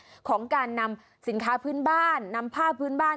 ของการนำสินค้าพื้นบ้านนำผ้าพื้นบ้าน